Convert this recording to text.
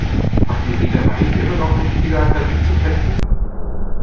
Hat die Reederei immer noch mit Piraterie zu kämpfen?